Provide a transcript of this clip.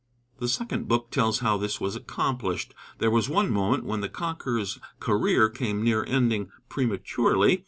The second book tells how this was accomplished. There was one moment when the conqueror's career came near ending prematurely.